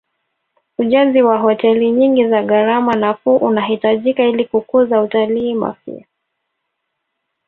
ujenzi wa hoteli nyingi za gharama nafuu unahitajika ili kukuza utalii mafia